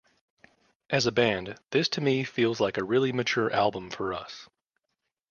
As a band, this to me feels like a really mature album for us.